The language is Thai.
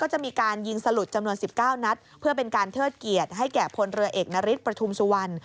ให้แก่พลเรือเอกนริสปธุมสุวรรณ